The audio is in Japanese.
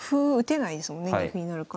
二歩になるから。